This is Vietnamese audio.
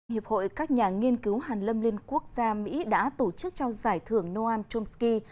hiệp hội các nhà nghiên cứu hàn lâm liên quốc gia mỹ đã tổ chức trao giải thưởng noam chomsky